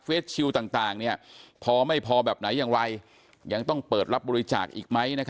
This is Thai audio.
ชิลต่างพอไม่พอแบบไหนอย่างไรยังต้องเปิดรับบริจาคอีกไหม